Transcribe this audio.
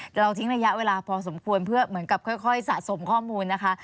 แต่เราทิ้งระยะเวลาพอสมควรเพื่อเหมือนกับค่อยสะสมข้อมูลนะคะ